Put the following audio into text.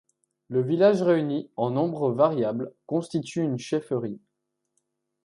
Les villages réunis, en nombre variable, constituent une chefferie.